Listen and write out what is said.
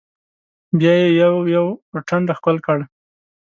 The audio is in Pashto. بيا يې يو يو پر ټنډه ښکل کړل.